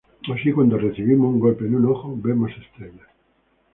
Así, cuando recibimos un golpe en un ojo, vemos estrellas.